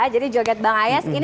oke juga joget bang ayas